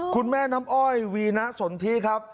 คุณแม่น้ำอ้อยวีนะสนทิครับ